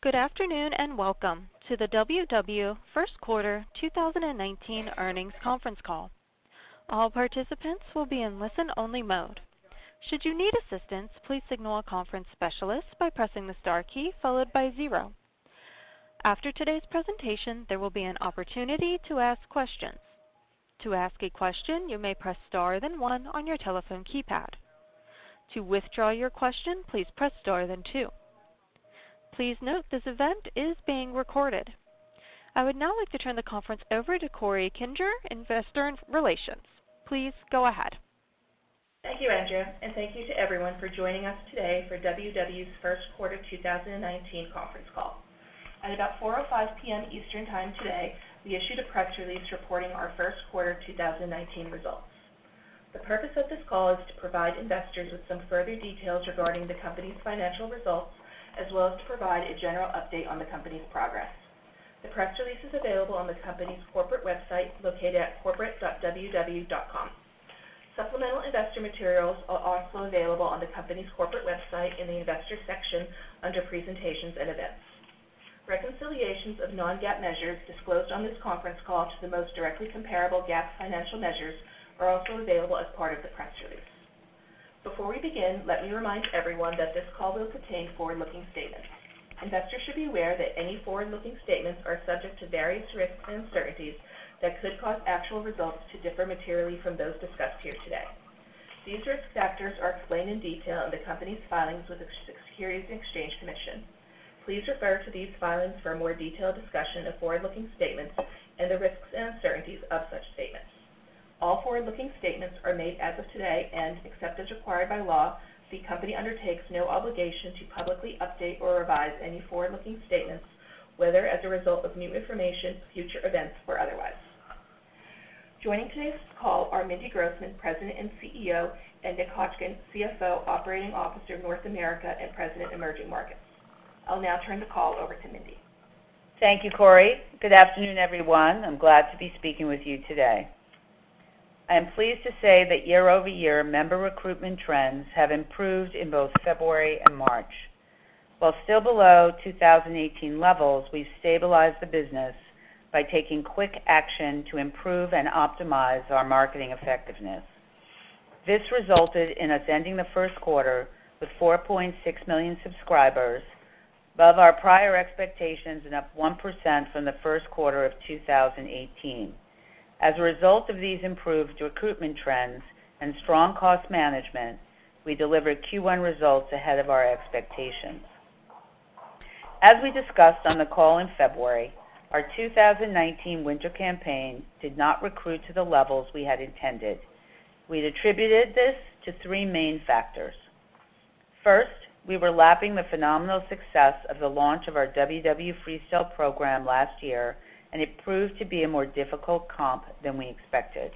Good afternoon, welcome to the WW First Quarter 2019 Earnings Conference Call. All participants will be in listen-only mode. Should you need assistance, please signal a conference specialist by pressing the star key followed by zero. After today's presentation, there will be an opportunity to ask questions. To ask a question, you may press star, then one on your telephone keypad. To withdraw your question, please press star, then two. Please note this event is being recorded. I would now like to turn the conference over to Corey Kinger, investor relations. Please go ahead. Thank you, Andrea, thank you to everyone for joining us today for WW's First Quarter 2019 conference call. At about 4:05 P.M. Eastern Time today, we issued a press release reporting our first quarter 2019 results. The purpose of this call is to provide investors with some further details regarding the company's financial results, as well as to provide a general update on the company's progress. The press release is available on the company's corporate website located at corporate.ww.com. Supplemental investor materials are also available on the company's corporate website in the investor section, under presentations and events. Reconciliations of non-GAAP measures disclosed on this conference call to the most directly comparable GAAP financial measures are also available as part of the press release. Before we begin, let me remind everyone that this call will contain forward-looking statements. Investors should be aware that any forward-looking statements are subject to various risks and uncertainties that could cause actual results to differ materially from those discussed here today. These risk factors are explained in detail in the company's filings with the Securities and Exchange Commission. Please refer to these filings for a more detailed discussion of forward-looking statements and the risks and uncertainties of such statements. All forward-looking statements are made as of today, except as required by law, the company undertakes no obligation to publicly update or revise any forward-looking statements, whether as a result of new information, future events, or otherwise. Joining today's call are Mindy Grossman, President and CEO, Nick Hotchkin, CFO, Operating Officer of North America, and President Emerging Markets. I'll now turn the call over to Mindy. Thank you, Corey. Good afternoon, everyone. I'm glad to be speaking with you today. I am pleased to say that year-over-year member recruitment trends have improved in both February and March. While still below 2018 levels, we've stabilized the business by taking quick action to improve and optimize our marketing effectiveness. This resulted in us ending the first quarter with 4.6 million subscribers, above our prior expectations and up 1% from the first quarter of 2018. As a result of these improved recruitment trends and strong cost management, we delivered Q1 results ahead of our expectations. As we discussed on the call in February, our 2019 winter campaign did not recruit to the levels we had intended. We'd attributed this to three main factors. First, we were lapping the phenomenal success of the launch of our WW Freestyle program last year, and it proved to be a more difficult comp than we expected.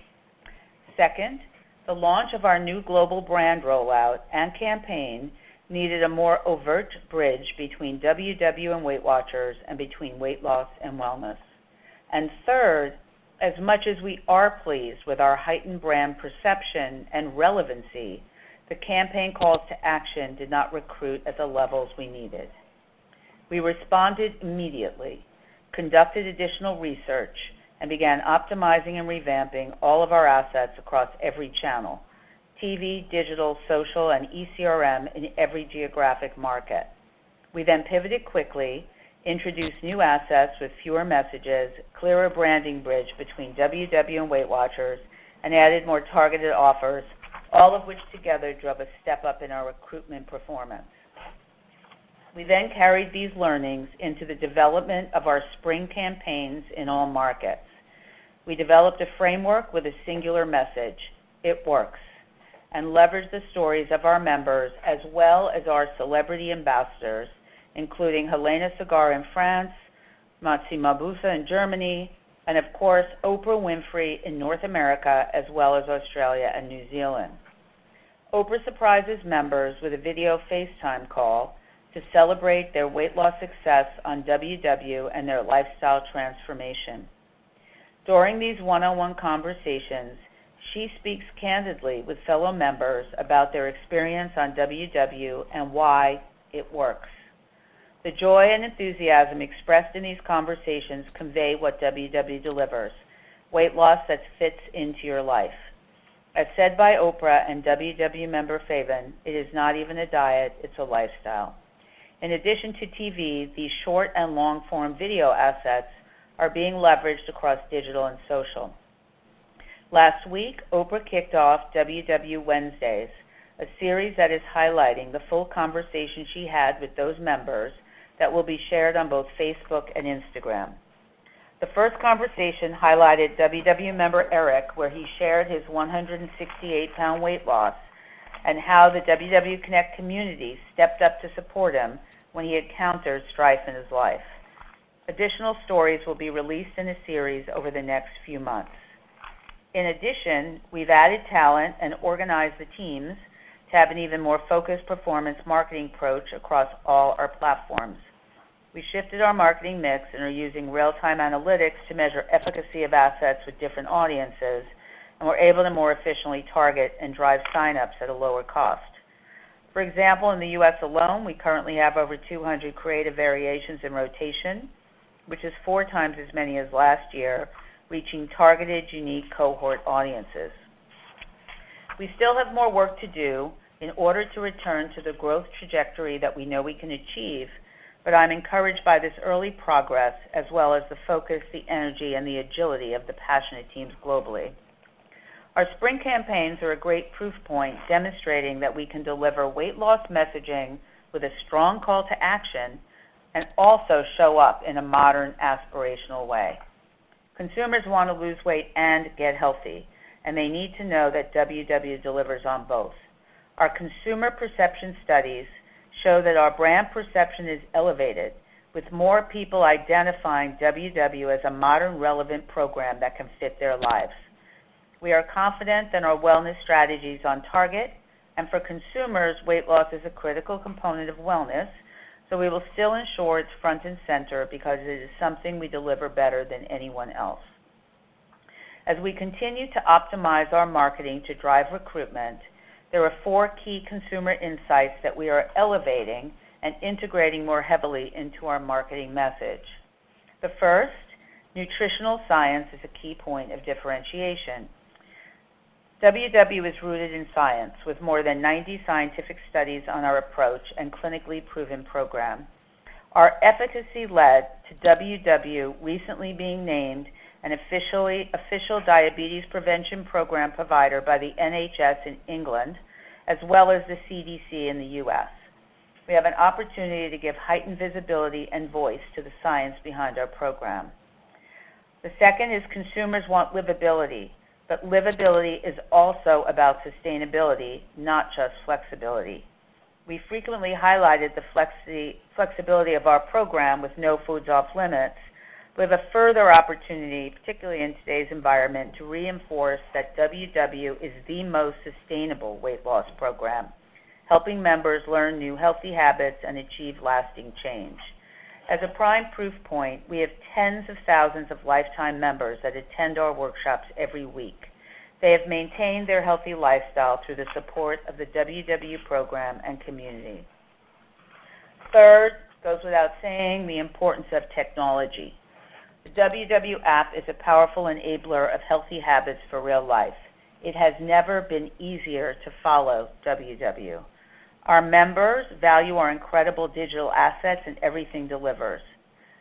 Second, the launch of our new global brand rollout and campaign needed a more overt bridge between WW and Weight Watchers and between weight loss and wellness. Third, as much as we are pleased with our heightened brand perception and relevancy, the campaign calls to action did not recruit at the levels we needed. We responded immediately, conducted additional research, and began optimizing and revamping all of our assets across every channel, TV, digital, social, and ECRM in every geographic market. We pivoted quickly, introduced new assets with fewer messages, clearer branding bridge between WW and Weight Watchers, and added more targeted offers, all of which together drove a step-up in our recruitment performance. We carried these learnings into the development of our spring campaigns in all markets. We developed a framework with a singular message, "It works," and leveraged the stories of our members as well as our celebrity ambassadors, including Hélène Ségara in France, Motsi Mabuse in Germany, and of course, Oprah Winfrey in North America, as well as Australia and New Zealand. Oprah surprises members with a video FaceTime call to celebrate their weight loss success on WW and their lifestyle transformation. During these one-on-one conversations, she speaks candidly with fellow members about their experience on WW and why it works. The joy and enthusiasm expressed in these conversations convey what WW delivers, weight loss that fits into your life. As said by Oprah and WW member, Faven, "It is not even a diet, it's a lifestyle." In addition to TV, these short and long-form video assets are being leveraged across digital and social. Last week, Oprah kicked off WW Wednesdays, a series that is highlighting the full conversation she had with those members that will be shared on both Facebook and Instagram. The first conversation highlighted WW member Eric, where he shared his 168-pound weight loss and how the WW Connect community stepped up to support him when he encountered strife in his life. Additional stories will be released in a series over the next few months. In addition, we've added talent and organized the teams to have an even more focused performance marketing approach across all our platforms. We shifted our marketing mix and are using real-time analytics to measure efficacy of assets with different audiences, and we're able to more efficiently target and drive sign-ups at a lower cost. For example, in the U.S. alone, we currently have over 200 creative variations in rotation, which is four times as many as last year, reaching targeted, unique cohort audiences. We still have more work to do in order to return to the growth trajectory that we know we can achieve, but I'm encouraged by this early progress as well as the focus, the energy, and the agility of the passionate teams globally. Our spring campaigns are a great proof point demonstrating that we can deliver weight loss messaging with a strong call to action and also show up in a modern, aspirational way. Consumers want to lose weight and get healthy, and they need to know that WW delivers on both. Our consumer perception studies show that our brand perception is elevated, with more people identifying WW as a modern, relevant program that can fit their lives. We are confident that our wellness strategy is on target, and for consumers, weight loss is a critical component of wellness, so we will still ensure it's front and center because it is something we deliver better than anyone else. As we continue to optimize our marketing to drive recruitment, there are four key consumer insights that we are elevating and integrating more heavily into our marketing message. The first, nutritional science is a key point of differentiation. WW is rooted in science, with more than 90 scientific studies on our approach and clinically proven program. Our efficacy led to WW recently being named an official diabetes prevention program provider by the NHS in England, as well as the CDC in the U.S. We have an opportunity to give heightened visibility and voice to the science behind our program. The second is consumers want livability, but livability is also about sustainability, not just flexibility. We frequently highlighted the flexibility of our program with no foods off limits. We have a further opportunity, particularly in today's environment, to reinforce that WW is the most sustainable weight loss program, helping members learn new healthy habits and achieve lasting change. As a prime proof point, we have tens of thousands of lifetime members that attend our workshops every week. They have maintained their healthy lifestyle through the support of the WW program and community. Third, goes without saying, the importance of technology. The WW app is a powerful enabler of healthy habits for real life. It has never been easier to follow WW. Our members value our incredible digital assets, and everything delivers,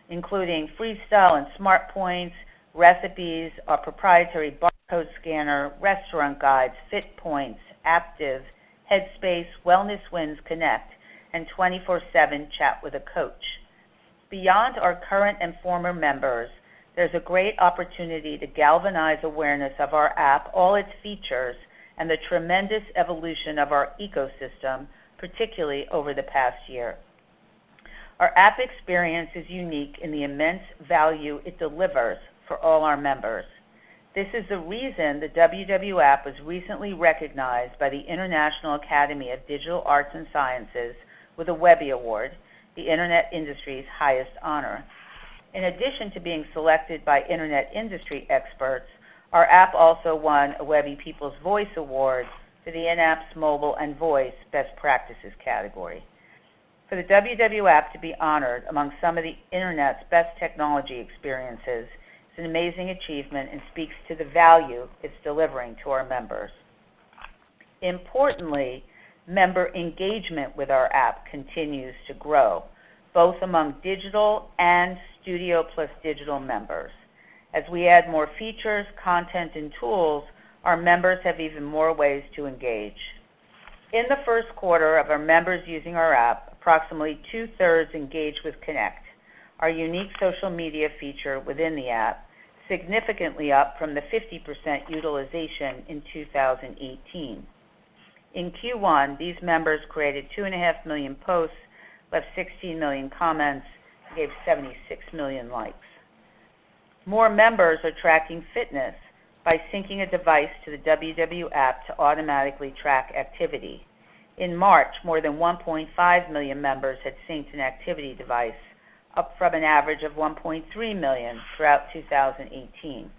including Freestyle and SmartPoints, recipes, our proprietary barcode scanner, restaurant guides, FitPoints, Active, Headspace, WellnessWins, Connect, and 24/7 chat with a coach. Beyond our current and former members, there's a great opportunity to galvanize awareness of our app, all its features, and the tremendous evolution of our ecosystem, particularly over the past year. Our app experience is unique in the immense value it delivers for all our members. This is the reason the WW app was recently recognized by the International Academy of Digital Arts and Sciences with a Webby Award, the internet industry's highest honor. In addition to being selected by internet industry experts, our app also won a Webby People's Voice Award for the in-apps, mobile, and voice best practices category. For the WW app to be honored among some of the internet's best technology experiences is an amazing achievement and speaks to the value it's delivering to our members. Importantly, member engagement with our app continues to grow, both among digital and studio plus digital members. As we add more features, content, and tools, our members have even more ways to engage. In the first quarter of our members using our app, approximately two-thirds engaged with Connect, our unique social media feature within the app, significantly up from the 50% utilization in 2018. In Q1, these members created 2.5 million posts, left 16 million comments, and gave 76 million likes. More members are tracking fitness by syncing a device to the WW app to automatically track activity. In March, more than 1.5 million members had synced an activity device, up from an average of 1.3 million throughout 2018.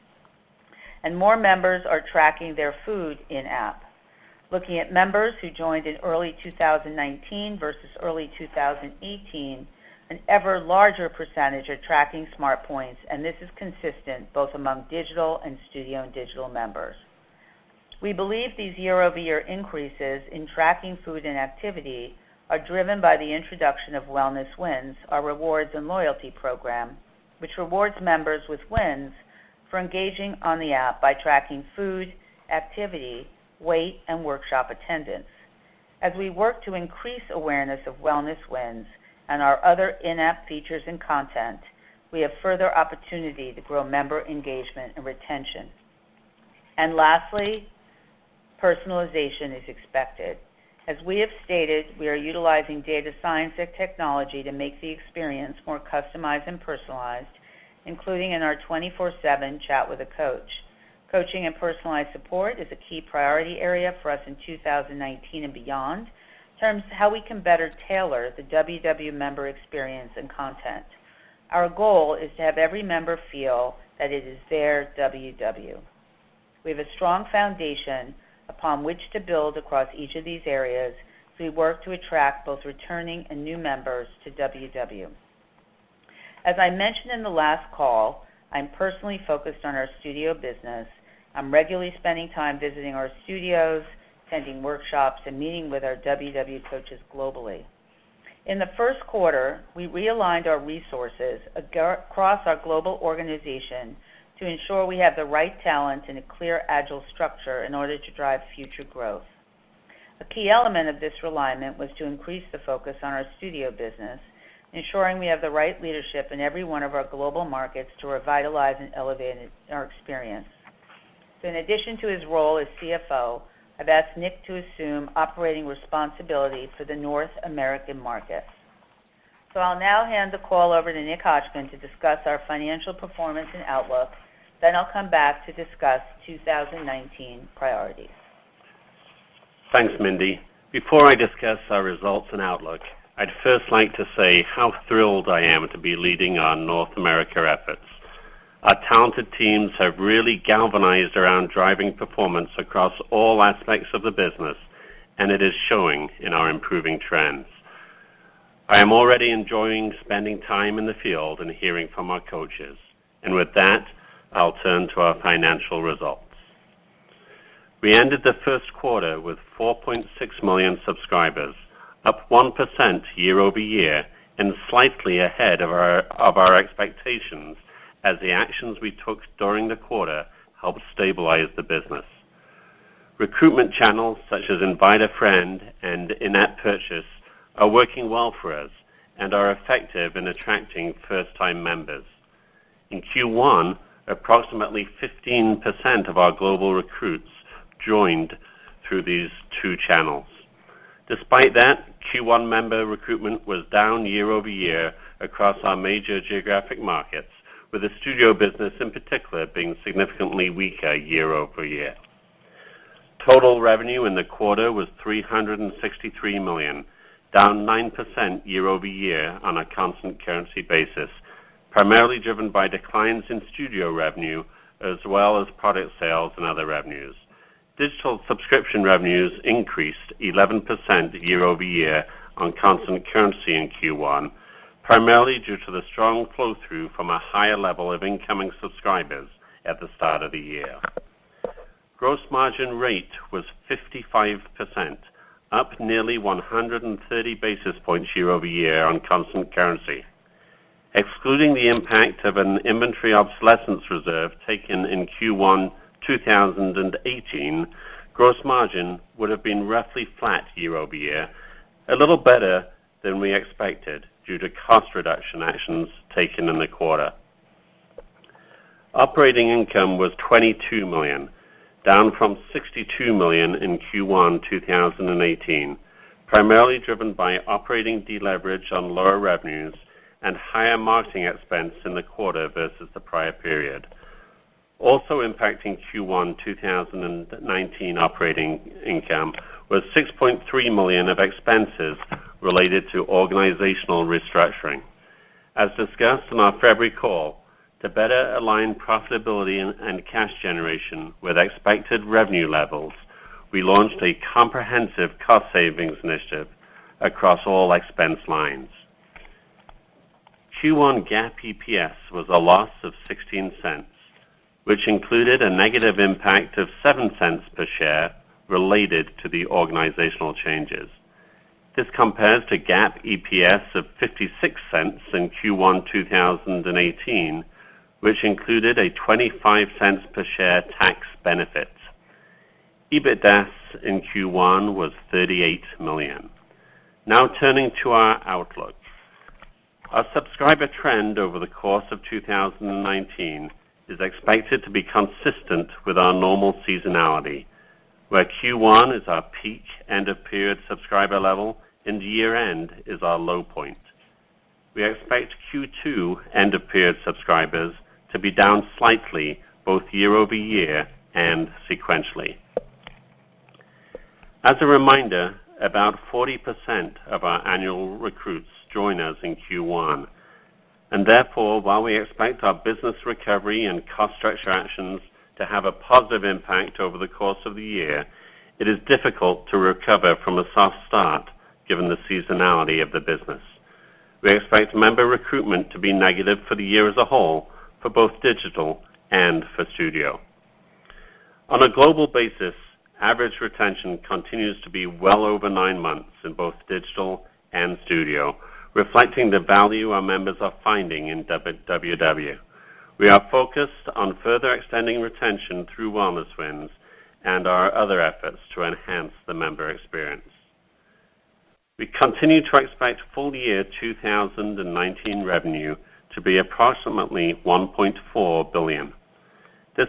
More members are tracking their food in-app. Looking at members who joined in early 2019 versus early 2018, an ever larger percentage are tracking SmartPoints, and this is consistent both among digital and studio and digital members. We believe these year-over-year increases in tracking food and activity are driven by the introduction of WellnessWins, our rewards and loyalty program, which rewards members with wins for engaging on the app by tracking food, activity, weight, and workshop attendance. As we work to increase awareness of WellnessWins and our other in-app features and content, we have further opportunity to grow member engagement and retention. Lastly, personalization is expected. As we have stated, we are utilizing data science and technology to make the experience more customized and personalized, including in our 24/7 chat with a coach. Coaching and personalized support is a key priority area for us in 2019 and beyond, in terms of how we can better tailor the WW member experience and content. Our goal is to have every member feel that it is their WW. We have a strong foundation upon which to build across each of these areas as we work to attract both returning and new members to WW. As I mentioned in the last call, I'm personally focused on our studio business. I'm regularly spending time visiting our studios, attending workshops, and meeting with our WW coaches globally. In the first quarter, we realigned our resources across our global organization to ensure we have the right talent and a clear, agile structure in order to drive future growth. A key element of this realignment was to increase the focus on our studio business, ensuring we have the right leadership in every one of our global markets to revitalize and elevate our experience. In addition to his role as CFO, I've asked Nick to assume operating responsibility for the North American market. I'll now hand the call over to Nick Hotchkin to discuss our financial performance and outlook. I'll come back to discuss 2019 priorities. Thanks, Mindy. Before I discuss our results and outlook, I'd first like to say how thrilled I am to be leading our North America efforts. Our talented teams have really galvanized around driving performance across all aspects of the business, and it is showing in our improving trends. I am already enjoying spending time in the field and hearing from our coaches. With that, I'll turn to our financial results. We ended the first quarter with 4.6 million subscribers, up 1% year-over-year and slightly ahead of our expectations as the actions we took during the quarter helped stabilize the business. Recruitment channels such as Invite a Friend and in-app purchase are working well for us and are effective in attracting first-time members. In Q1, approximately 15% of our global recruits joined through these two channels. Despite that, Q1 member recruitment was down year-over-year across our major geographic markets, with the studio business in particular being significantly weaker year-over-year. Total revenue in the quarter was $363 million, down 9% year-over-year on a constant currency basis, primarily driven by declines in studio revenue as well as product sales and other revenues. Digital subscription revenues increased 11% year-over-year on constant currency in Q1, primarily due to the strong flow-through from a higher level of incoming subscribers at the start of the year. Gross margin rate was 55%, up nearly 130 basis points year-over-year on constant currency. Excluding the impact of an inventory obsolescence reserve taken in Q1 2018, gross margin would have been roughly flat year-over-year, a little better than we expected due to cost reduction actions taken in the quarter. Operating income was $22 million, down from $62 million in Q1 2018, primarily driven by operating deleverage on lower revenues and higher marketing expense in the quarter versus the prior period. Also impacting Q1 2019 operating income was $6.3 million of expenses related to organizational restructuring. As discussed on our February call, to better align profitability and cash generation with expected revenue levels, we launched a comprehensive cost savings initiative across all expense lines. Q1 GAAP EPS was a loss of $0.16, which included a negative impact of $0.07 per share related to the organizational changes. This compares to GAAP EPS of $0.56 in Q1 2018, which included a $0.25 per share tax benefit. EBITDA in Q1 was $38 million. Turning to our outlook. Our subscriber trend over the course of 2019 is expected to be consistent with our normal seasonality, where Q1 is our peak end-of-period subscriber level and year-end is our low point. We expect Q2 end-of-period subscribers to be down slightly both year-over-year and sequentially. As a reminder, about 40% of our annual recruits join us in Q1, and therefore, while we expect our business recovery and cost structure actions to have a positive impact over the course of the year, it is difficult to recover from a soft start given the seasonality of the business. We expect member recruitment to be negative for the year as a whole for both digital and for studio. On a global basis, average retention continues to be well over nine months in both digital and studio, reflecting the value our members are finding in WW. We are focused on further extending retention through WellnessWins and our other efforts to enhance the member experience. We continue to expect full year 2019 revenue to be approximately $1.4 billion. We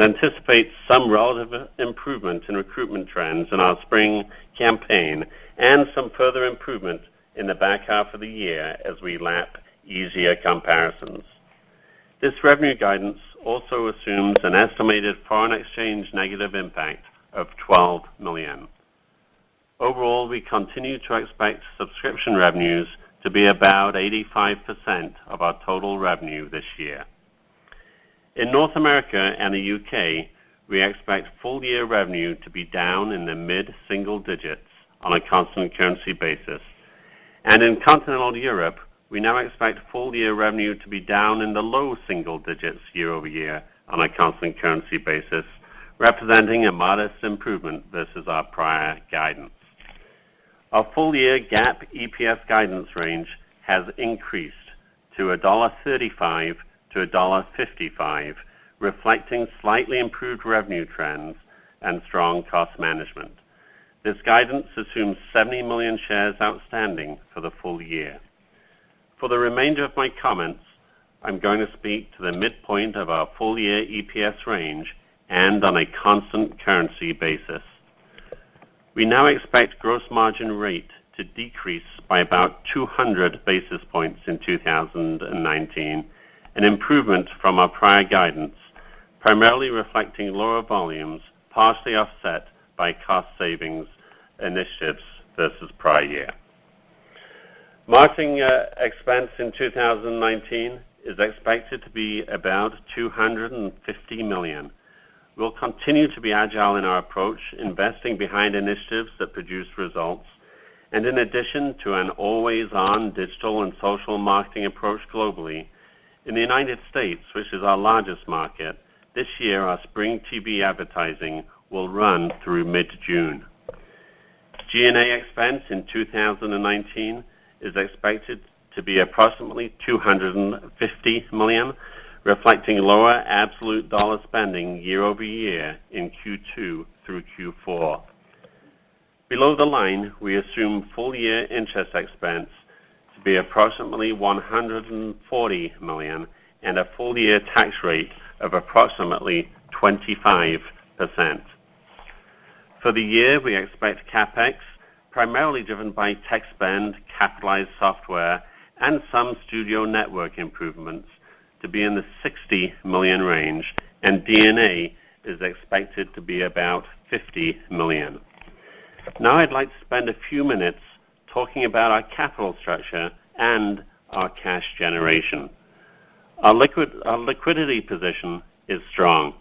anticipate some relative improvement in recruitment trends in our spring campaign and some further improvement in the back half of the year as we lap easier comparisons. This revenue guidance also assumes an estimated foreign exchange negative impact of $12 million. Overall, we continue to expect subscription revenues to be about 85% of our total revenue this year. In North America and the U.K., we expect full year revenue to be down in the mid-single digits on a constant currency basis. In Continental Europe, we now expect full year revenue to be down in the low single digits year-over-year on a constant currency basis, representing a modest improvement versus our prior guidance. Our full year GAAP EPS guidance range has increased to $1.35-$1.55, reflecting slightly improved revenue trends and strong cost management. This guidance assumes 70 million shares outstanding for the full year. For the remainder of my comments, I'm going to speak to the midpoint of our full-year EPS range and on a constant currency basis. We now expect gross margin rate to decrease by about 200 basis points in 2019, an improvement from our prior guidance, primarily reflecting lower volumes, partially offset by cost savings initiatives versus prior year. Marketing expense in 2019 is expected to be about $250 million. We'll continue to be agile in our approach, investing behind initiatives that produce results. In addition to an always-on digital and social marketing approach globally, in the United States, which is our largest market, this year, our spring TV advertising will run through mid-June. G&A expense in 2019 is expected to be approximately $250 million, reflecting lower absolute dollar spending year-over-year in Q2 through Q4. Below the line, we assume full year interest expense to be approximately $140 million and a full year tax rate of approximately 25%. For the year, we expect CapEx, primarily driven by tech spend, capitalized software, and some studio network improvements to be in the $60 million range, and D&A is expected to be about $50 million. I'd like to spend a few minutes talking about our capital structure and our cash generation. Our liquidity position is strong.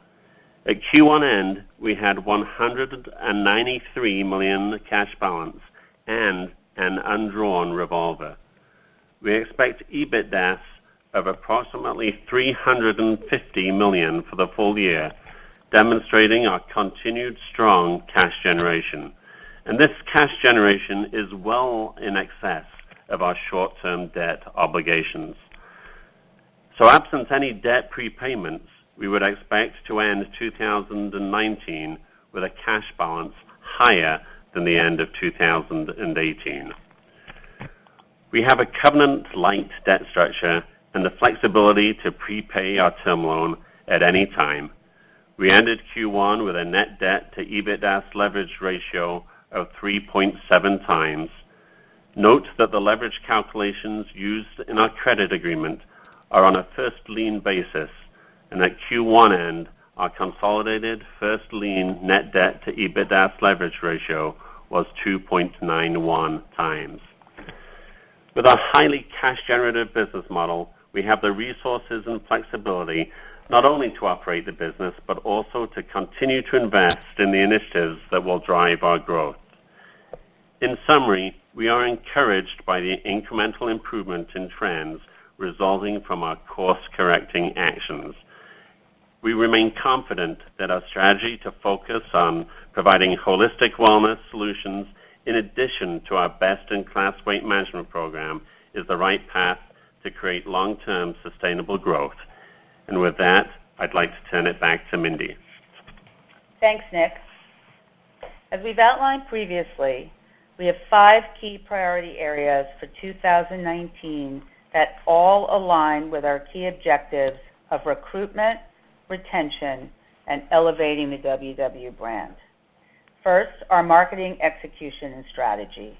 At Q1 end, we had $193 million cash balance and an undrawn revolver. We expect EBITDA of approximately $350 million for the full year, demonstrating our continued strong cash generation. This cash generation is well in excess of our short-term debt obligations. Absence any debt prepayments, we would expect to end 2019 with a cash balance higher than the end of 2018. We have a covenant-light debt structure and the flexibility to prepay our term loan at any time. We ended Q1 with a net debt to EBITDA leverage ratio of 3.7 times. Note that the leverage calculations used in our credit agreement are on a first lien basis, and at Q1 end, our consolidated first lien net debt to EBITDA leverage ratio was 2.91 times. With our highly cash generative business model, we have the resources and flexibility not only to operate the business, but also to continue to invest in the initiatives that will drive our growth. In summary, we are encouraged by the incremental improvement in trends resulting from our course-correcting actions. We remain confident that our strategy to focus on providing holistic wellness solutions, in addition to our best-in-class weight management program, is the right path to create long-term sustainable growth. With that, I'd like to turn it back to Mindy. Thanks, Nick. As we've outlined previously, we have five key priority areas for 2019 that all align with our key objectives of recruitment, retention, and elevating the WW brand. First, our marketing execution and strategy.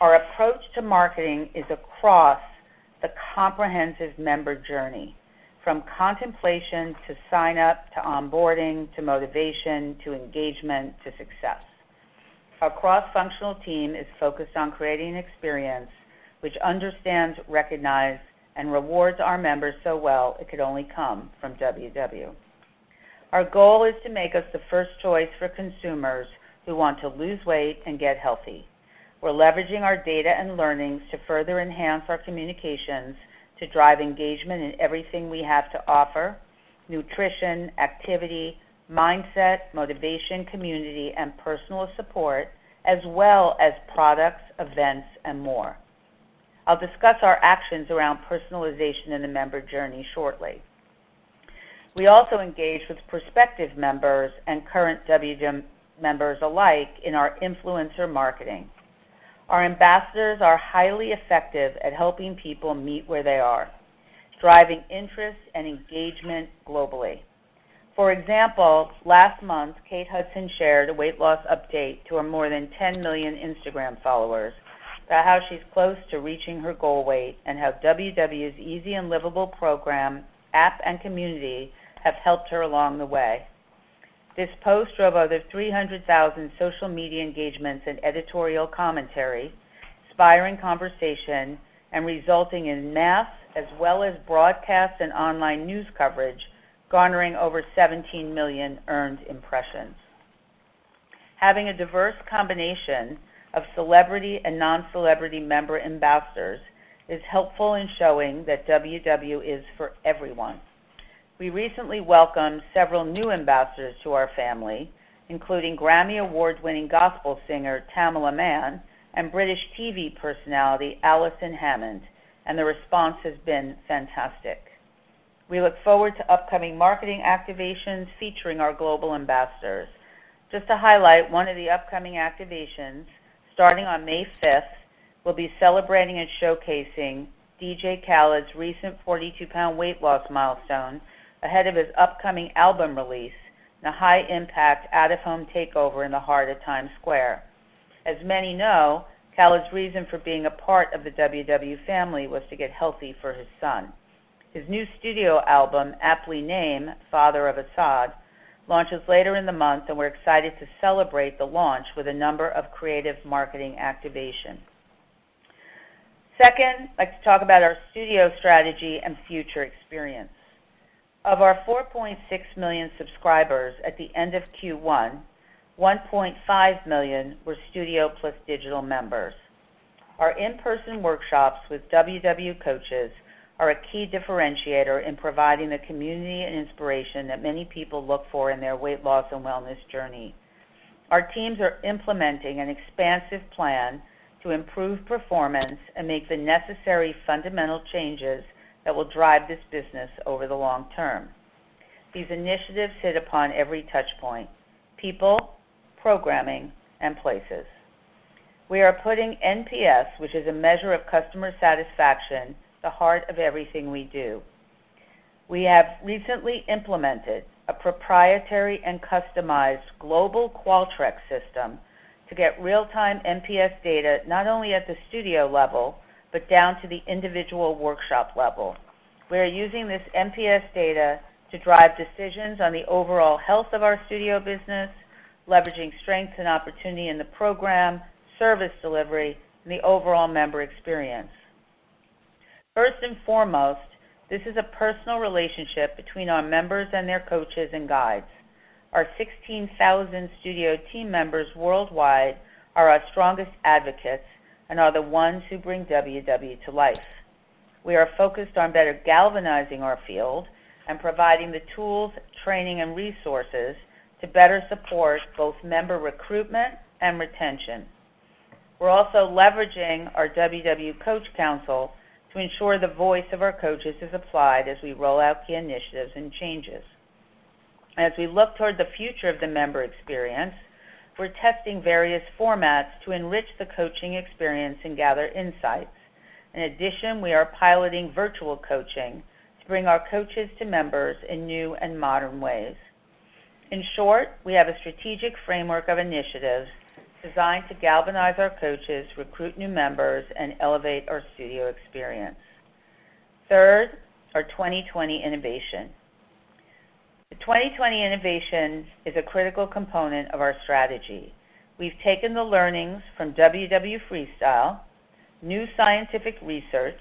Our approach to marketing is across the comprehensive member journey, from contemplation to sign-up, to onboarding, to motivation, to engagement, to success. Our cross-functional team is focused on creating an experience which understands, recognize, and rewards our members so well it could only come from WW. Our goal is to make us the first choice for consumers who want to lose weight and get healthy. We're leveraging our data and learnings to further enhance our communications to drive engagement in everything we have to offer: nutrition, activity, mindset, motivation, community, and personal support, as well as products, events, and more. I'll discuss our actions around personalization in the member journey shortly. We also engage with prospective members and current WW members alike in our influencer marketing. Our ambassadors are highly effective at helping people meet where they are, driving interest and engagement globally. For example, last month, Kate Hudson shared a weight loss update to her more than 10 million Instagram followers about how she's close to reaching her goal weight and how WW's easy and livable program, app, and community have helped her along the way. This post drove over 300,000 social media engagements and editorial commentary, inspiring conversation, and resulting in mass as well as broadcast and online news coverage garnering over 17 million earned impressions. Having a diverse combination of celebrity and non-celebrity member ambassadors is helpful in showing that WW is for everyone. We recently welcomed several new ambassadors to our family, including Grammy Award-winning gospel singer Tamela Mann and British TV personality Alison Hammond, and the response has been fantastic. We look forward to upcoming marketing activations featuring our global ambassadors. Just to highlight one of the upcoming activations, starting on May 5th, we'll be celebrating and showcasing DJ Khaled's recent 42-pound weight loss milestone ahead of his upcoming album release in a high-impact out-of-home takeover in the heart of Times Square. As many know, Khaled's reason for being a part of the WW family was to get healthy for his son. His new studio album, aptly named "Father of Asahd", launches later in the month, and we're excited to celebrate the launch with a number of creative marketing activations. Second, I'd like to talk about our studio strategy and future experience. Of our 4.6 million subscribers at the end of Q1, 1.5 million were studio plus digital members. Our in-person workshops with WW coaches are a key differentiator in providing the community and inspiration that many people look for in their weight loss and wellness journey. Our teams are implementing an expansive plan to improve performance and make the necessary fundamental changes that will drive this business over the long term. These initiatives hit upon every touchpoint: people, programming, and places. We are putting NPS, which is a measure of customer satisfaction, the heart of everything we do. We have recently implemented a proprietary and customized global Qualtrics system to get real-time NPS data, not only at the studio level, but down to the individual workshop level. We are using this NPS data to drive decisions on the overall health of our studio business, leveraging strength and opportunity in the program, service delivery, and the overall member experience. First and foremost, this is a personal relationship between our members and their coaches and guides. Our 16,000 studio team members worldwide are our strongest advocates and are the ones who bring WW to life. We are focused on better galvanizing our field and providing the tools, training, and resources to better support both member recruitment and retention. We're also leveraging our WW Coach Council to ensure the voice of our coaches is applied as we roll out key initiatives and changes. As we look toward the future of the member experience, we're testing various formats to enrich the coaching experience and gather insights. In addition, we are piloting virtual coaching to bring our coaches to members in new and modern ways. In short, we have a strategic framework of initiatives designed to galvanize our coaches, recruit new members, and elevate our studio experience. Third, our 2020 innovation. The 2020 innovation is a critical component of our strategy. We've taken the learnings from WW Freestyle, new scientific research,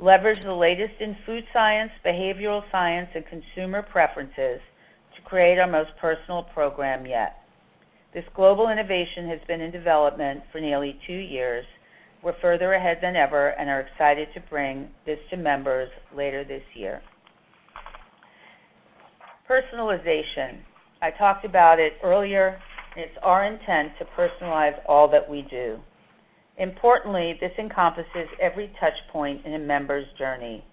leveraged the latest in food science, behavioral science, and consumer preferences to create our most personal program yet. This global innovation has been in development for nearly two years. We're further ahead than ever and are excited to bring this to members later this year. Personalization. I talked about it earlier, and it's our intent to personalize all that we do. Importantly, this encompasses every touchpoint in a member's journey.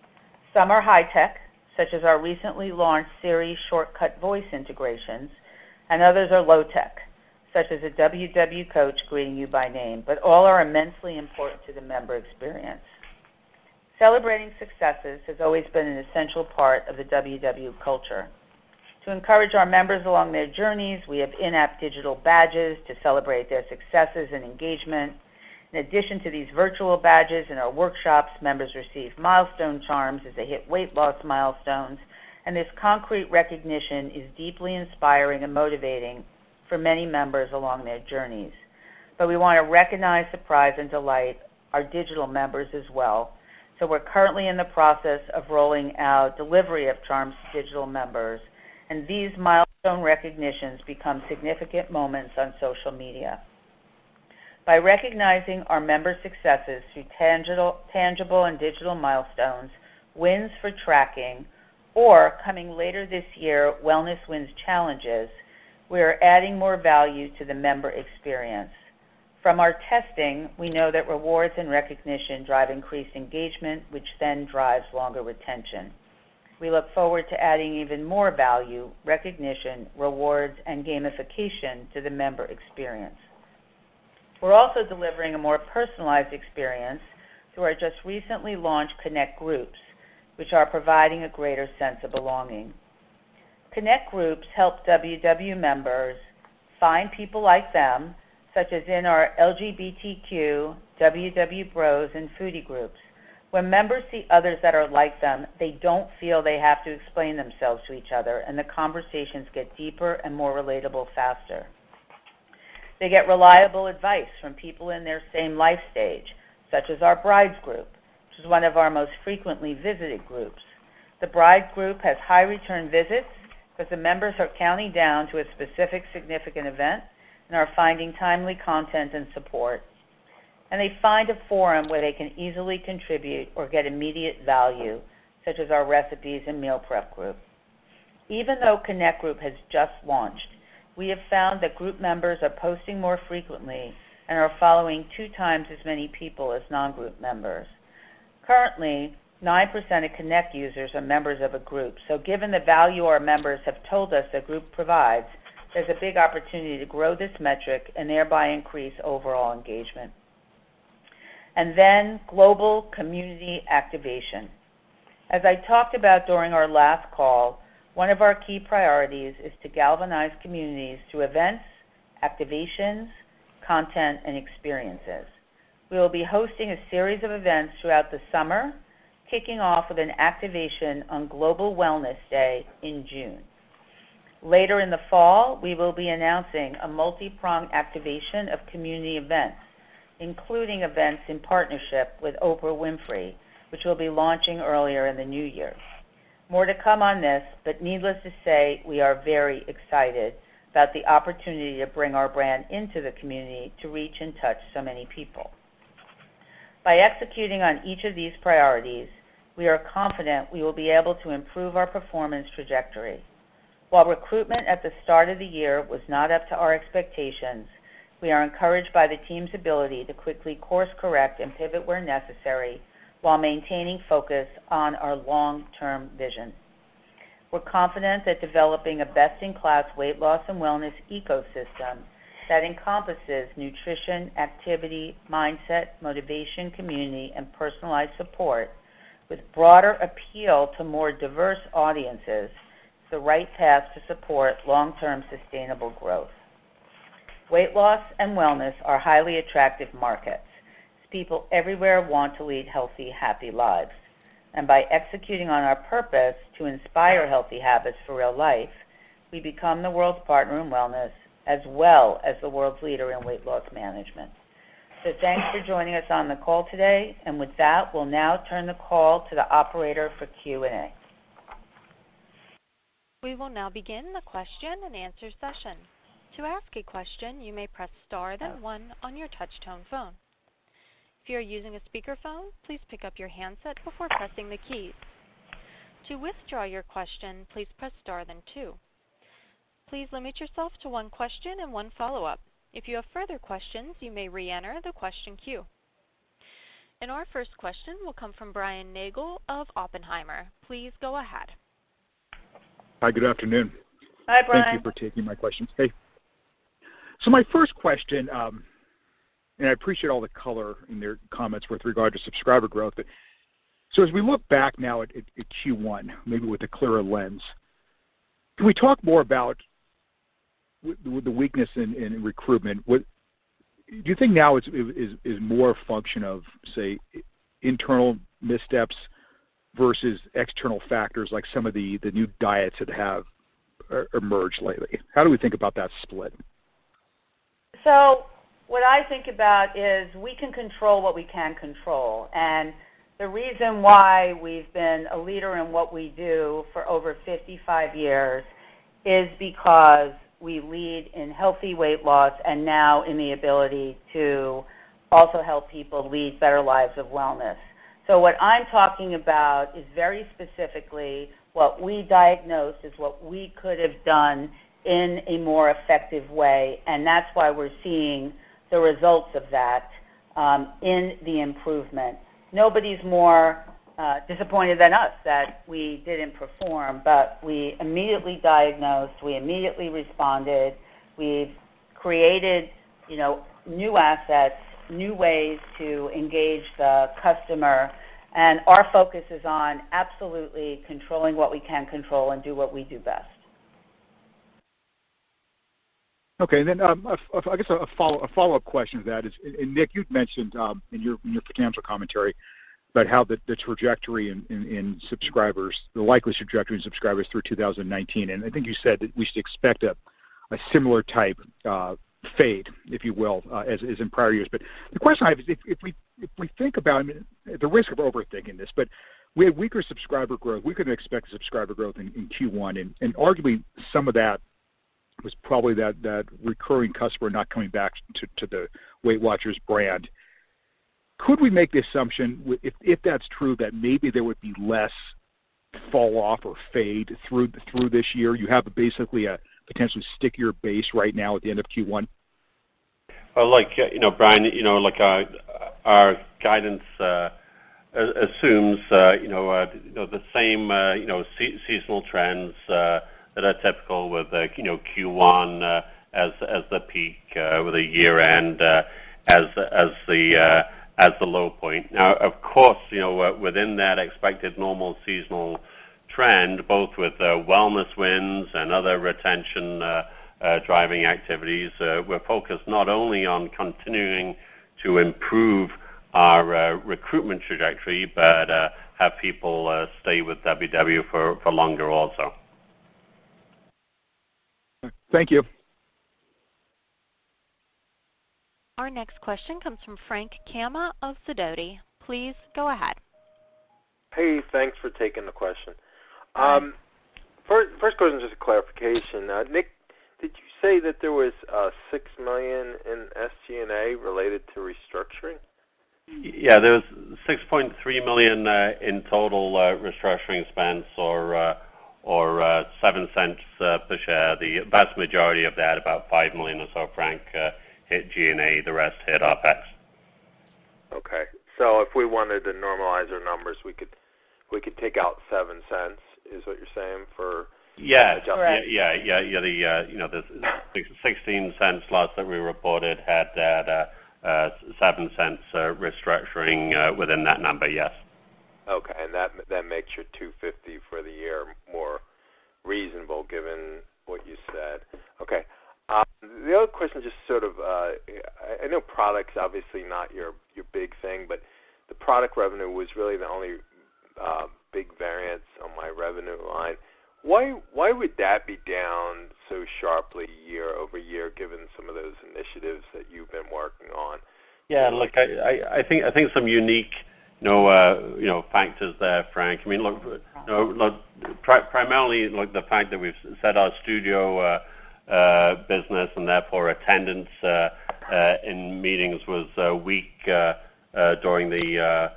Some are high-tech, such as our recently launched Siri shortcut voice integrations, and others are low-tech, such as a WW coach greeting you by name, but all are immensely important to the member experience. Celebrating successes has always been an essential part of the WW culture. To encourage our members along their journeys, we have in-app digital badges to celebrate their successes and engagement. In addition to these virtual badges, in our workshops, members receive milestone charms as they hit weight loss milestones, and this concrete recognition is deeply inspiring and motivating for many members along their journeys. We want to recognize, surprise, and delight our digital members as well. We're currently in the process of rolling out delivery of charms to digital members, and these milestone recognitions become significant moments on social media. By recognizing our members' successes through tangible and digital milestones, wins for tracking, or coming later this year, WellnessWins challenges, we are adding more value to the member experience. From our testing, we know that rewards and recognition drive increased engagement, which then drives longer retention. We look forward to adding even more value, recognition, rewards, and gamification to the member experience. We're also delivering a more personalized experience through our just recently launched Connect Groups, which are providing a greater sense of belonging. Connect Groups help WW members find people like them, such as in our LGBTQ, WW Bros, and foodie groups. When members see others that are like them, they don't feel they have to explain themselves to each other, and the conversations get deeper and more relatable faster. They get reliable advice from people in their same life stage, such as our Brides group, which is one of our most frequently visited groups. The Bride group has high return visits because the members are counting down to a specific significant event and are finding timely content and support, and they find a forum where they can easily contribute or get immediate value, such as our Recipes and Meal Prep group. Even though Connect Groups has just launched, we have found that group members are posting more frequently and are following two times as many people as non-group members. Currently, 9% of Connect users are members of a group. Given the value our members have told us a group provides, there's a big opportunity to grow this metric and thereby increase overall engagement. Global community activation. As I talked about during our last call, one of our key priorities is to galvanize communities through events, activations, content, and experiences. We will be hosting a series of events throughout the summer, kicking off with an activation on Global Wellness Day in June. Later in the fall, we will be announcing a multi-pronged activation of community events, including events in partnership with Oprah Winfrey, which we'll be launching earlier in the new year. Needless to say, we are very excited about the opportunity to bring our brand into the community to reach and touch so many people. By executing on each of these priorities, we are confident we will be able to improve our performance trajectory. While recruitment at the start of the year was not up to our expectations, we are encouraged by the team's ability to quickly course correct and pivot where necessary while maintaining focus on our long-term vision. We're confident that developing a best-in-class weight loss and wellness ecosystem that encompasses nutrition, activity, mindset, motivation, community, and personalized support with broader appeal to more diverse audiences, is the right path to support long-term sustainable growth. Weight loss and wellness are highly attractive markets as people everywhere want to lead healthy, happy lives. By executing on our purpose to inspire healthy habits for real life, we become the world's partner in wellness as well as the world's leader in weight loss management. Thanks for joining us on the call today. With that, we'll now turn the call to the operator for Q&A. We will now begin the question-and-answer session. To ask a question, you may press star then one on your touch-tone phone. If you are using a speakerphone, please pick up your handset before pressing the keys. To withdraw your question, please press star then two. Please limit yourself to one question and one follow-up. If you have further questions, you may re-enter the question queue. Our first question will come from Brian Nagel of Oppenheimer. Please go ahead. Hi, good afternoon. Hi, Brian. Thank you for taking my questions. Hey. My first question, I appreciate all the color in your comments with regard to subscriber growth. As we look back now at Q1, maybe with a clearer lens, can we talk more about the weakness in recruitment? Do you think now it's more a function of, say, internal missteps versus external factors like some of the new diets that have emerged lately? How do we think about that split? What I think about is we can control what we can control, the reason why we've been a leader in what we do for over 55 years is because we lead in healthy weight loss and now in the ability to also help people lead better lives of wellness. What I'm talking about is very specifically what we diagnosed is what we could have done in a more effective way, that's why we're seeing the results of that in the improvement. Nobody's more disappointed than us that we didn't perform, we immediately diagnosed, we immediately responded. We've created new assets, new ways to engage the customer, our focus is on absolutely controlling what we can control and do what we do best. I guess a follow-up question to that is, Nick, you'd mentioned in your financial commentary about how the trajectory in subscribers, the likely trajectory in subscribers through 2019, I think you said that we should expect a similar type fade, if you will, as in prior years. The question I have is, if we think about, at the risk of overthinking this, but we had weaker subscriber growth. We couldn't expect subscriber growth in Q1, and arguably, some of that was probably that recurring customer not coming back to the Weight Watchers brand. Could we make the assumption, if that's true, that maybe there would be less fall off or fade through this year? You have basically a potentially stickier base right now at the end of Q1. Brian, our guidance assumes the same seasonal trends that are typical with Q1 as the peak with a year-end as the low point. Of course, within that expected normal seasonal trend, both with WellnessWins and other retention-driving activities, we're focused not only on continuing to improve our recruitment trajectory but have people stay with WW for longer also. Thank you. Our next question comes from Frank Camma of Sidoti. Please go ahead. Hey, thanks for taking the question. First question, just a clarification. Nick, did you say that there was $6 million in SG&A related to restructuring? There was $6.3 million in total restructuring spends or $0.07 per share. The vast majority of that, about $5 million or so, Frank, hit G&A, the rest hit OPEX. Okay. If we wanted to normalize our numbers, we could take out $0.07, is what you're saying? Yes. Correct. The $0.16 loss that we reported had that $0.07 restructuring within that number. Yes. Okay. That makes your 250 for the year more reasonable, given what you said. Okay. The other question, I know product's obviously not your big thing, but the product revenue was really the only big variance on my revenue line. Why would that be down so sharply year-over-year, given some of those initiatives that you've been working on? Yeah, look, I think some unique factors there, Frank Camma. Look, primarily, the fact that we've set our studio business, and therefore attendance in meetings was weak during the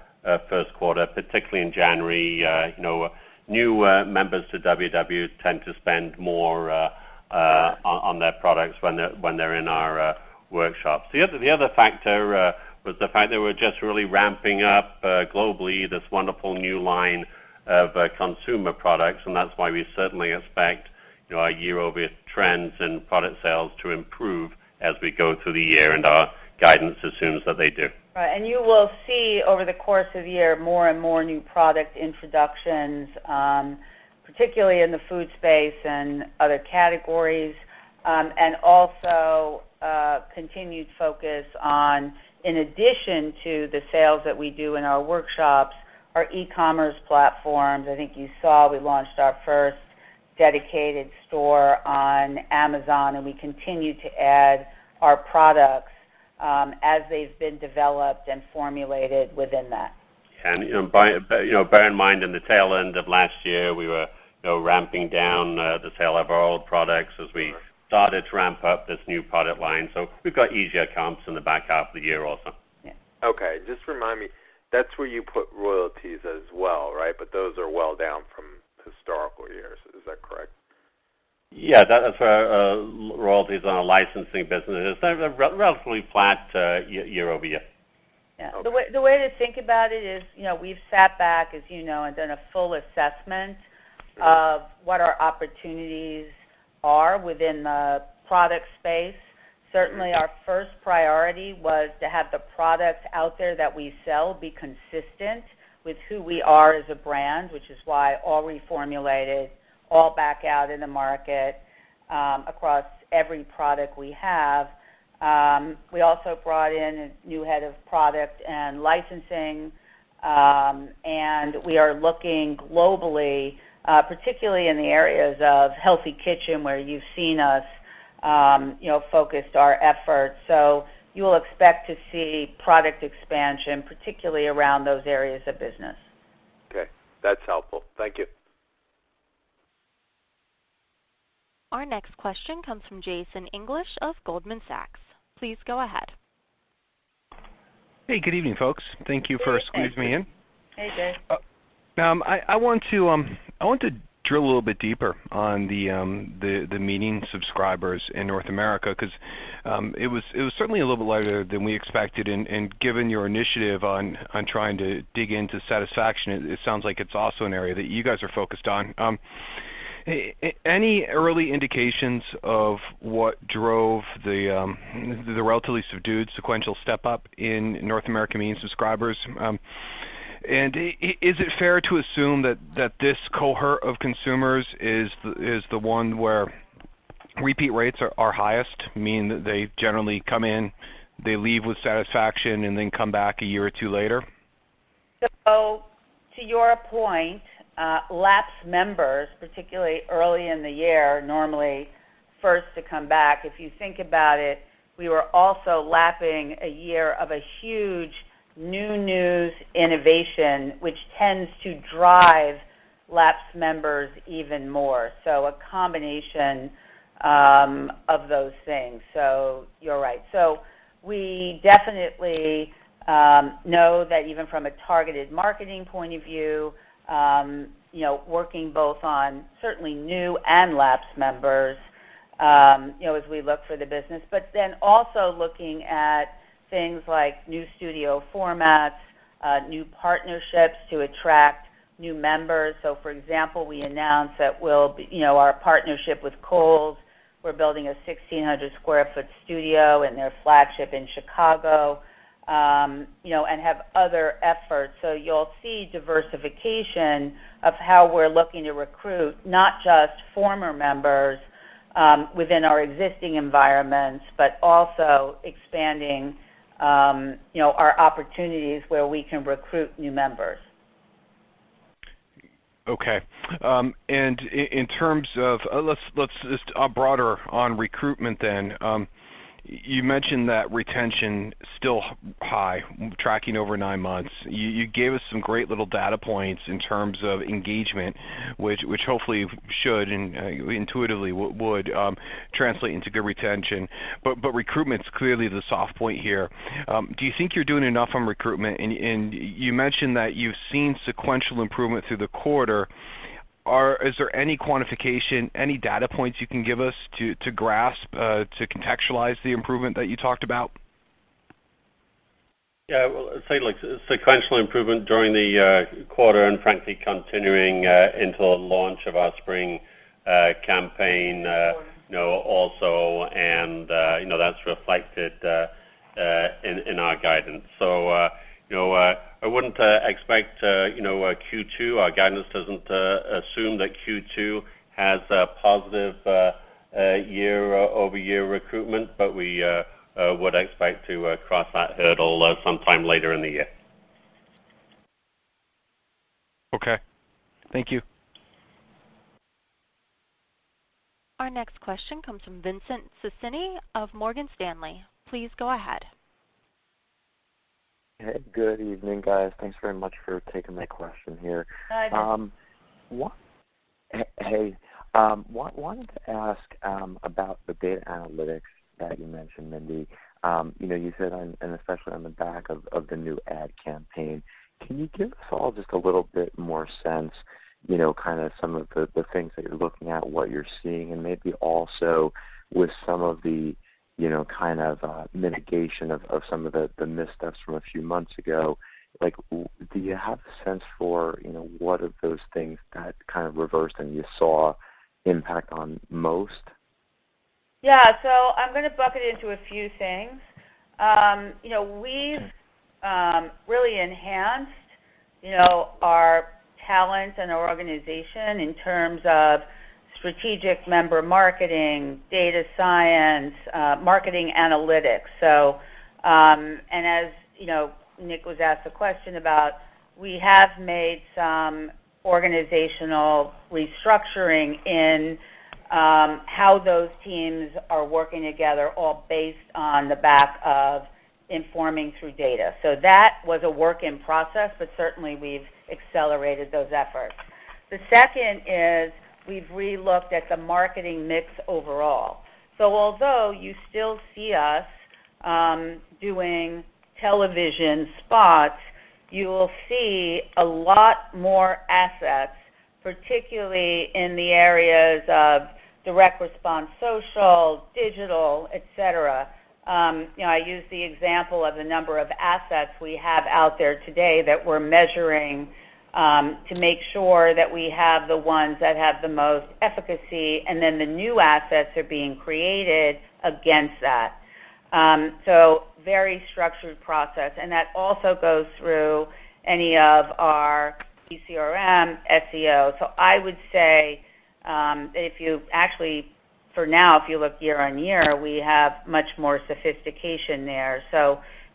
first quarter, particularly in January. New members to WW tend to spend more on their products when they're in our workshops. The other factor was the fact that we're just really ramping up globally this wonderful new line of consumer products, and that's why we certainly expect our year-over-year trends in product sales to improve as we go through the year, and our guidance assumes that they do. Right. You will see over the course of the year, more and more new product introductions, particularly in the food space and other categories, and also continued focus on, in addition to the sales that we do in our workshops, our e-commerce platforms. I think you saw we launched our first dedicated store on Amazon, and we continue to add our products as they've been developed and formulated within that. Bear in mind, in the tail end of last year, we were ramping down the sale of our old products as we started to ramp up this new product line. We've got easier comps in the back half of the year also. Yeah. Okay. Just remind me, that's where you put royalties as well, right? Those are well down from historical years. Is that correct? Yeah. That is our royalties on our licensing business. They're relatively flat year-over-year. Okay. The way to think about it is, we've sat back, as you know, and done a full assessment of what our opportunities are within the product space. Certainly, our first priority was to have the products out there that we sell be consistent with who we are as a brand, which is why all reformulated, all back out in the market, across every product we have. We also brought in a new head of product and licensing, and we are looking globally, particularly in the areas of healthy kitchen, where you've seen us focus our efforts. You will expect to see product expansion, particularly around those areas of business. Okay. That's helpful. Thank you. Our next question comes from Jason English of Goldman Sachs. Please go ahead. Hey, good evening, folks. Thank you for squeezing me in. Hey, Jason. I want to drill a little bit deeper on the meeting subscribers in North America, because it was certainly a little bit lighter than we expected, and given your initiative on trying to dig into satisfaction, it sounds like it's also an area that you guys are focused on. Any early indications of what drove the relatively subdued sequential step-up in North American meeting subscribers? Is it fair to assume that this cohort of consumers is the one where repeat rates are highest, meaning that they generally come in, they leave with satisfaction, and then come back a year or two later? To your point, lapsed members, particularly early in the year, are normally first to come back. If you think about it, we were also lapsing a year of a huge new news innovation, which tends to drive lapsed members even more. A combination of those things. You're right. We definitely know that even from a targeted marketing point of view, working both on certainly new and lapsed members. As we look for the business, but then also looking at things like new studio formats, new partnerships to attract new members. For example, we announced our partnership with Kohl's. We're building a 1,600 square foot studio in their flagship in Chicago, and have other efforts. You'll see diversification of how we're looking to recruit not just former members within our existing environments, but also expanding our opportunities where we can recruit new members. Okay. In terms of, let's just broader on recruitment. You mentioned that retention still high, tracking over nine months. You gave us some great little data points in terms of engagement, which hopefully should and intuitively would translate into good retention. Recruitment's clearly the soft point here. Do you think you're doing enough on recruitment? You mentioned that you've seen sequential improvement through the quarter. Is there any quantification, any data points you can give us to grasp, to contextualize the improvement that you talked about? Yeah. Well, I'd say sequential improvement during the quarter and frankly continuing into the launch of our spring campaign also, and that's reflected in our guidance. I wouldn't expect Q2. Our guidance doesn't assume that Q2 has a positive year-over-year recruitment, but we would expect to cross that hurdle sometime later in the year. Okay. Thank you. Our next question comes from Vincent Sisinni of Morgan Stanley. Please go ahead. Hey, good evening, guys. Thanks very much for taking my question here. Hi, Vincent. Hey. I wanted to ask about the data analytics that you mentioned, Mindy. Especially on the back of the new ad campaign, can you give us all just a little bit more sense, kind of some of the things that you're looking at, what you're seeing, and maybe also with some of the kind of mitigation of some of the missteps from a few months ago? Do you have a sense for what of those things that kind of reversed and you saw impact on most? I'm going to bucket into a few things. We've really enhanced our talent and our organization in terms of strategic member marketing, data science, marketing analytics. As Nick was asked a question about, we have made some organizational restructuring in how those teams are working together, all based on the back of informing through data. That was a work in process, but certainly we've accelerated those efforts. The second is we've re-looked at the marketing mix overall. Although you still see us doing television spots, you will see a lot more assets, particularly in the areas of direct response, social, digital, et cetera. I use the example of the number of assets we have out there today that we're measuring to make sure that we have the ones that have the most efficacy, and then the new assets are being created against that. Very structured process, and that also goes through any of our ECRM, SEO. I would say, if you actually for now, if you look year-on-year, we have much more sophistication there.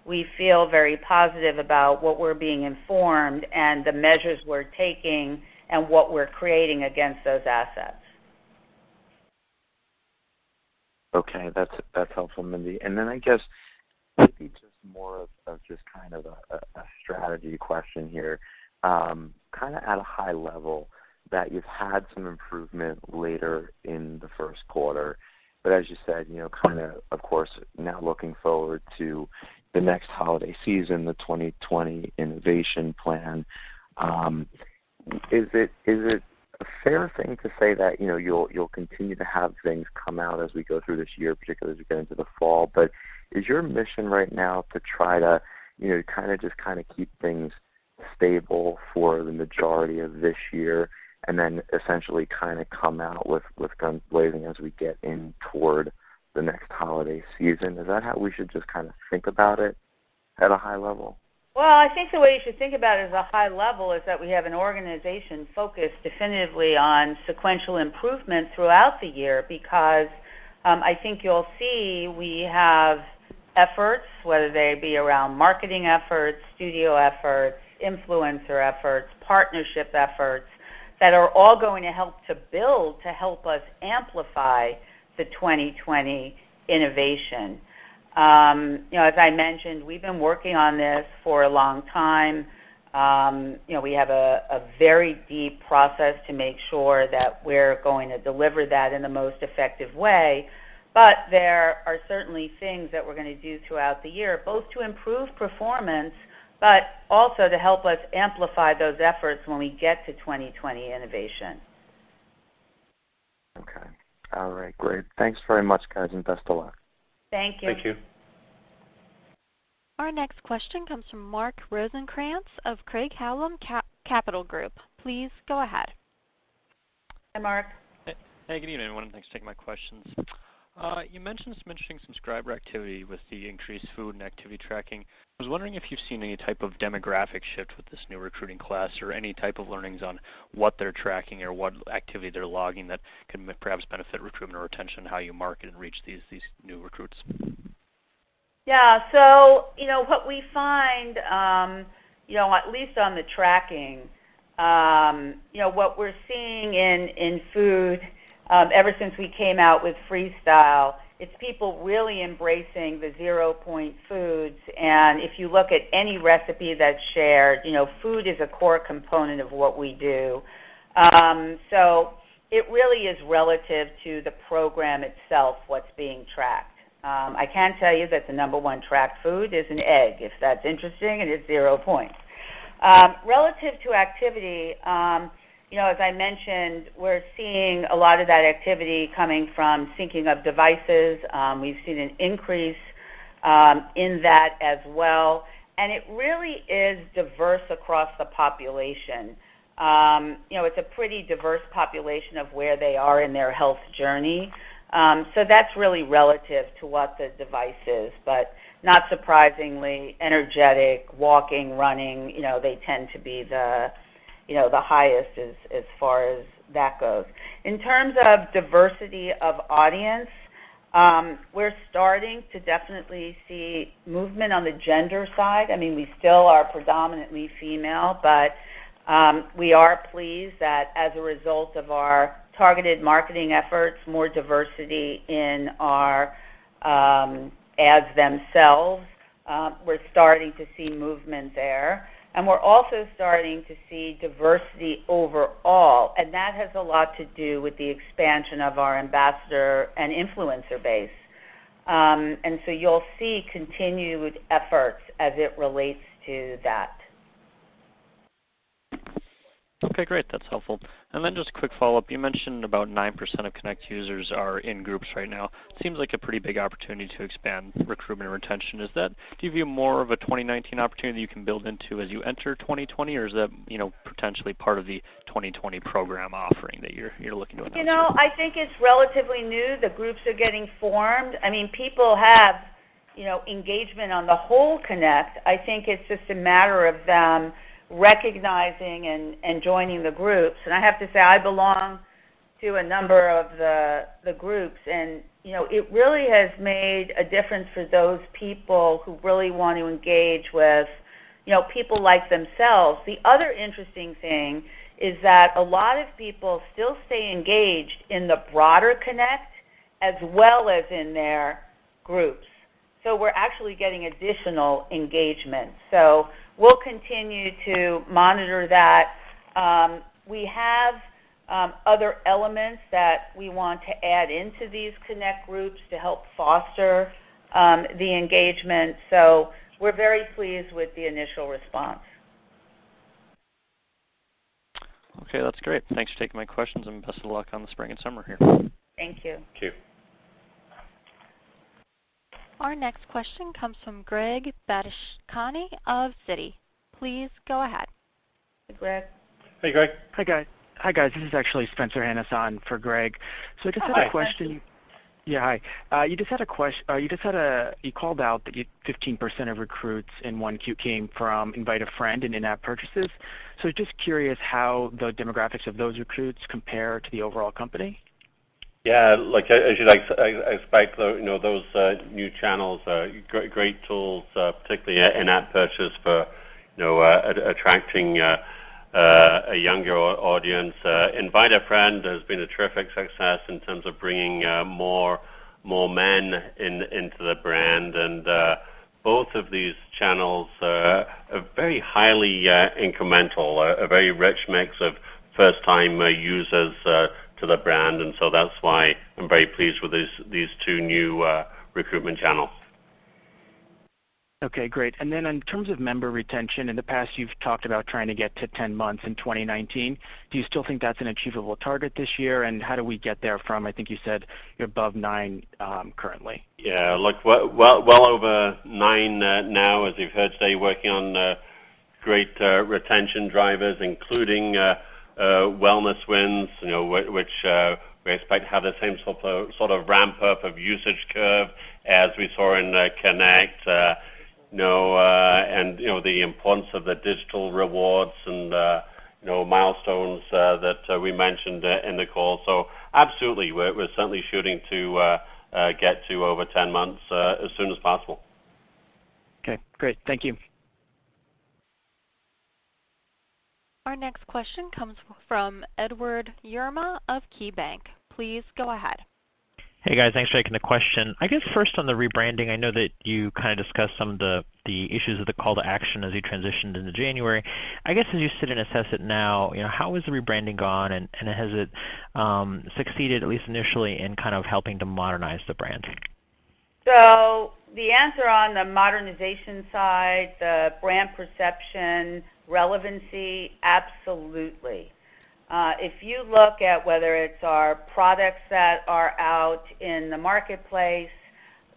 We feel very positive about what we're being informed and the measures we're taking and what we're creating against those assets. That's helpful, Mindy. I guess maybe just more of just kind of a strategy question here. Kind of at a high level that you've had some improvement later in the first quarter, but as you said, kind of course, now looking forward to the next holiday season, the 2020 innovation plan. Is it a fair thing to say that you'll continue to have things come out as we go through this year, particularly as we get into the fall? Is your mission right now to try to kind of just keep things stable for the majority of this year and then essentially kind of come out with guns blazing as we get in toward the next holiday season? Is that how we should just kind of think about it at a high level? I think the way you should think about it at a high level is that we have an organization focused definitively on sequential improvement throughout the year because I think you'll see we have efforts, whether they be around marketing efforts, studio efforts, influencer efforts, partnership efforts, that are all going to help to build to help us amplify the 2020 innovation. As I mentioned, we've been working on this for a long time. We have a very deep process to make sure that we're going to deliver that in the most effective way. There are certainly things that we're going to do throughout the year, both to improve performance, but also to help us amplify those efforts when we get to 2020 innovation. Okay. All right, great. Thanks very much, guys, and best of luck. Thank you. Thank you. Our next question comes from Mark Rosenkranz of Craig-Hallum Capital Group. Please go ahead. Hi, Mark. Hey. Good evening everyone. Thanks for taking my questions. You mentioned some interesting subscriber activity with the increased food and activity tracking. I was wondering if you've seen any type of demographic shift with this new recruiting class, or any type of learnings on what they're tracking or what activity they're logging that can perhaps benefit recruitment or retention, how you market and reach these new recruits. Yeah. What we find, at least on the tracking, what we're seeing in food, ever since we came out with Freestyle, it's people really embracing the zero-point foods. If you look at any recipe that's shared, food is a core component of what we do. It really is relative to the program itself what's being tracked. I can tell you that the number 1 tracked food is an egg, if that's interesting, and it's zero points. Relative to activity, as I mentioned, we're seeing a lot of that activity coming from syncing up devices. We've seen an increase in that as well, and it really is diverse across the population. It's a pretty diverse population of where they are in their health journey. That's really relative to what the device is, but not surprisingly, energetic, walking, running, they tend to be the highest as far as that goes. In terms of diversity of audience, we're starting to definitely see movement on the gender side. We still are predominantly female, but we are pleased that as a result of our targeted marketing efforts, more diversity in our ads themselves. We're starting to see movement there, and we're also starting to see diversity overall, and that has a lot to do with the expansion of our ambassador and influencer base. You'll see continued efforts as it relates to that. Okay, great. That's helpful. Just a quick follow-up, you mentioned about 9% of Connect users are in groups right now. Seems like a pretty big opportunity to expand recruitment or retention. Does that give you more of a 2019 opportunity you can build into as you enter 2020, or is that potentially part of the 2020 program offering that you're looking to announce? I think it's relatively new. The groups are getting formed. People have engagement on the whole Connect. I think it's just a matter of them recognizing and joining the groups. I have to say, I belong to a number of the groups, and it really has made a difference for those people who really want to engage with people like themselves. The other interesting thing is that a lot of people still stay engaged in the broader Connect as well as in their groups. We're actually getting additional engagement. We'll continue to monitor that. We have other elements that we want to add into these Connect Groups to help foster the engagement. We're very pleased with the initial response. Okay, that's great. Thanks for taking my questions, and best of luck on the spring and summer here. Thank you. Thank you. Our next question comes from Gregory Badishkanian of Citi. Please go ahead. Hi, Greg. Hey, Greg. Hi, guys. This is actually Spencer Hanus for Greg. Hi, Spencer. Yeah, hi. You called out that you get 15% of recruits in 1Q came from Invite a Friend and in-app purchases. Just curious how the demographics of those recruits compare to the overall company? Yeah. Look, as you'd expect, those new channels are great tools, particularly in-app purchase for attracting a younger audience. Invite a Friend has been a terrific success in terms of bringing more men into the brand. Both of these channels are very highly incremental, a very rich mix of first-time users to the brand. That's why I'm very pleased with these two new recruitment channels. Okay, great. Then in terms of member retention, in the past, you've talked about trying to get to 10 months in 2019. Do you still think that's an achievable target this year? How do we get there from, I think you said you're above nine currently. Yeah, look, well over nine now, as you've heard today, working on great retention drivers, including WellnessWins, which we expect have the same sort of ramp-up of usage curve as we saw in Connect. The importance of the digital rewards and milestones that we mentioned in the call. Absolutely, we're certainly shooting to get to over 10 months as soon as possible. Okay, great. Thank you. Our next question comes from Edward Yruma of KeyBanc. Please go ahead. Hey, guys. Thanks for taking the question. I guess first on the rebranding, I know that you discussed some of the issues of the call to action as you transitioned into January. I guess as you sit and assess it now, how has the rebranding gone, and has it succeeded, at least initially, in helping to modernize the brand? The answer on the modernization side, the brand perception, relevancy, absolutely. If you look at whether it's our products that are out in the marketplace,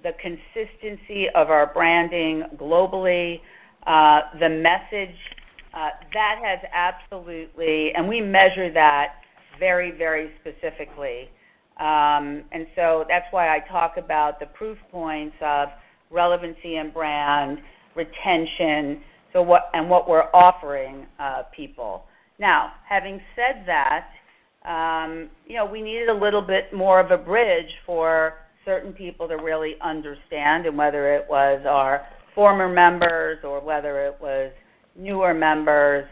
the consistency of our branding globally, the message, that has absolutely. We measure that very, very specifically. That's why I talk about the proof points of relevancy and brand retention, and what we're offering people. Now, having said that, we needed a little bit more of a bridge for certain people to really understand, and whether it was our former members or whether it was newer members.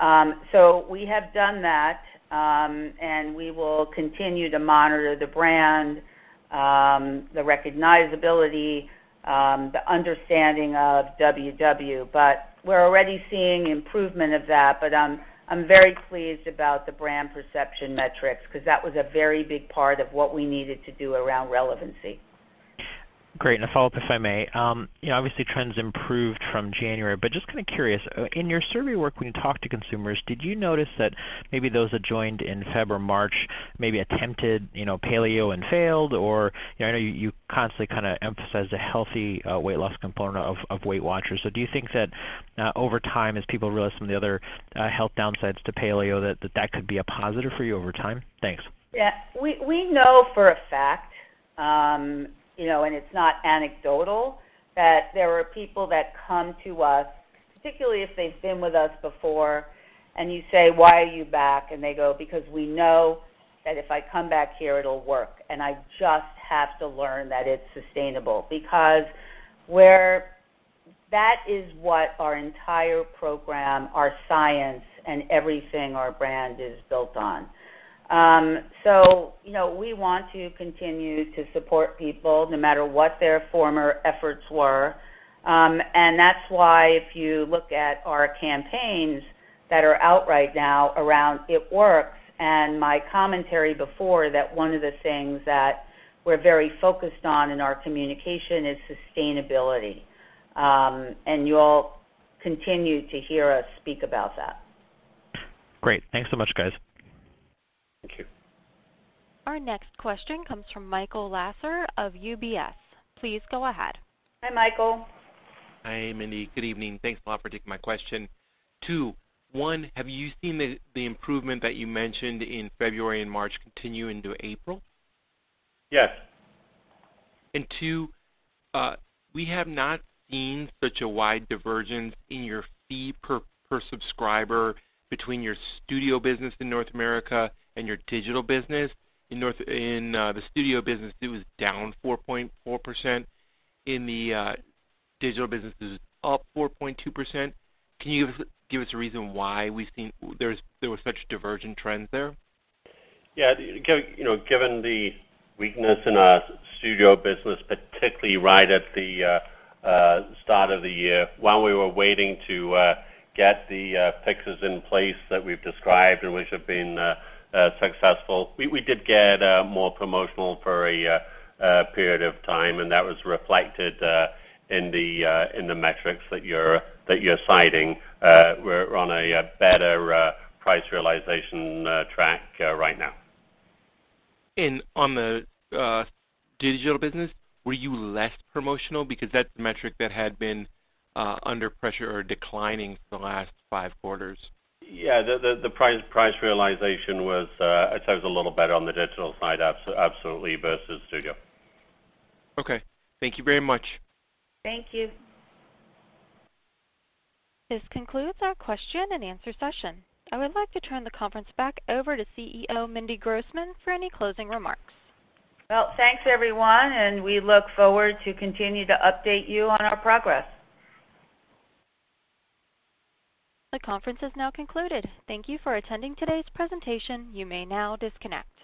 We have done that, and we will continue to monitor the brand, the recognizability, the understanding of WW, but we're already seeing improvement of that. I'm very pleased about the brand perception metrics, because that was a very big part of what we needed to do around relevancy. Great. A follow-up, if I may. Obviously, trends improved from January, but just kind of curious, in your survey work when you talked to consumers, did you notice that maybe those that joined in February or March maybe attempted paleo and failed or I know you constantly kind of emphasize the healthy weight loss component of Weight Watchers. Do you think that over time, as people realize some of the other health downsides to paleo, that that could be a positive for you over time? Thanks. Yeah. We know for a fact, and it's not anecdotal, that there are people that come to us, particularly if they've been with us before, and you say, "Why are you back?" They go, "Because we know that if I come back here, it'll work. I just have to learn that it's sustainable." Because that is what our entire program, our science, and everything our brand is built on. We want to continue to support people no matter what their former efforts were. That's why if you look at our campaigns that are out right now around It Works and my commentary before, that one of the things that we're very focused on in our communication is sustainability. You'll continue to hear us speak about that. Great. Thanks so much, guys. Thank you. Our next question comes from Michael Lasser of UBS. Please go ahead. Hi, Michael. Hi, Mindy. Good evening. Thanks a lot for taking my question. Two. One, have you seen the improvement that you mentioned in February and March continue into April? Yes. Two, we have not seen such a wide divergence in your fee per subscriber between your studio business in North America and your digital business. In the studio business, it was down 4.4%. In the digital business, it was up 4.2%. Can you give us a reason why there were such divergent trends there? Yeah. Given the weakness in our studio business, particularly right at the start of the year, while we were waiting to get the fixes in place that we've described and which have been successful. We did get more promotional for a period of time, and that was reflected in the metrics that you're citing. We're on a better price realization track right now. On the digital business, were you less promotional? Because that's the metric that had been under pressure or declining for the last five quarters. Yeah, the price realization was a little better on the digital side, absolutely, versus studio. Okay. Thank you very much. Thank you. This concludes our question and answer session. I would like to turn the conference back over to CEO Mindy Grossman for any closing remarks. Well, thanks, everyone. We look forward to continue to update you on our progress. The conference is now concluded. Thank you for attending today's presentation. You may now disconnect.